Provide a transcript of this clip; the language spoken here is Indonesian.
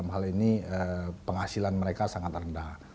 hal ini penghasilan mereka sangat rendah